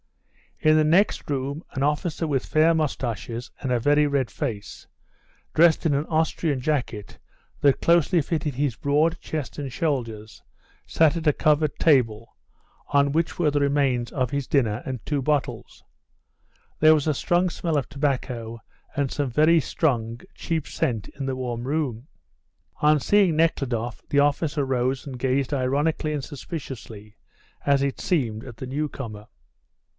In the next room an officer with fair moustaches and a very red face, dressed in an Austrian jacket that closely fitted his broad chest and shoulders, sat at a covered table, on which were the remains of his dinner and two bottles; there was a strong smell of tobacco and some very strong, cheap scent in the warm room. On seeing Nekhludoff the officer rose and gazed ironically and suspiciously, as it seemed, at the newcomer.